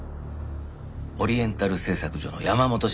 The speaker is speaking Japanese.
オリエンタル製作所の山本社長。